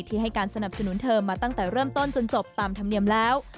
ให้การสนับสนุนเธอมาตั้งแต่เริ่มต้นจนจบตามธรรมเนียมแล้ว